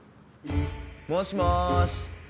もしもし。